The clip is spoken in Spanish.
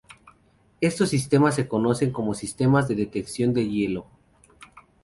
Estos sistemas se conocen como sistemas de detección del hielo.